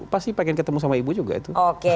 pasti pengen ketemu sama ibu juga itu